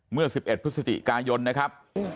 เมื่อ๑๑พฤศจิกายนนะครับ